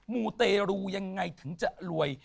มูเตรูยังไงถึงจะรวย